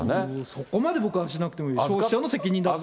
そこまで僕はしなくてもいい、消費者の責任だと思う。